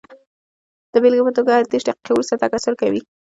د بېلګې په توګه هر دېرش دقیقې وروسته تکثر کوي.